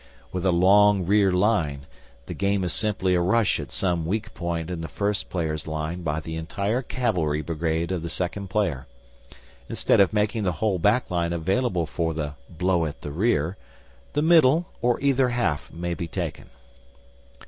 With a long rear line the game is simply a rush at some weak point in the first player's line by the entire cavalry brigade of the second player. Instead of making the whole back line available for the Blow at the Rear, the middle or either half may be taken.